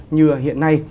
như hiện nay